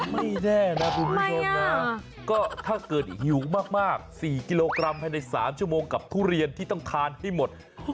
ไม่แน่นะคุณผู้ชมนะก็ถ้าเกิดหิวมาก๔กิโลกรัมภายใน๓ชั่วโมงกับทุเรียนที่ต้องทานให้หมด